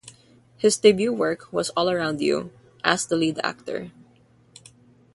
His debut work was "All Around You" as the lead actor.